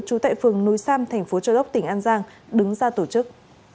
chú tại phường núi sam tp châu đốc tỉnh an giang đứng ra tổ chức